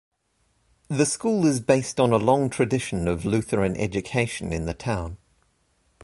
The school is based on a long tradition of Lutheran education in the town.